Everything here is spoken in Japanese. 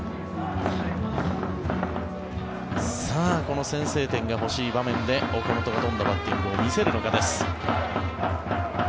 この先制点が欲しい場面で岡本がどんなバッティングを見せるのかです。